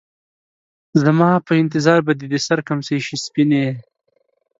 زما په انتظار به دې د سـر کمڅـۍ شي سپينې